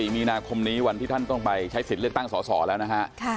มีนาคมนี้วันที่ท่านต้องไปใช้สิทธิ์เลือกตั้งสอสอแล้วนะฮะ